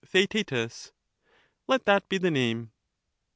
Theaet. Let that be the name.